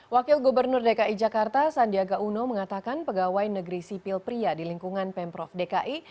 wakil gubernur dki jakarta sandiaga uno mengatakan pegawai negeri sipil pria di lingkungan pemprov dki